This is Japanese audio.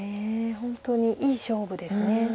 本当にいい勝負です。